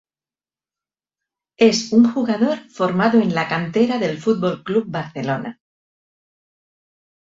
Es un jugador formado en la cantera del Fútbol Club Barcelona.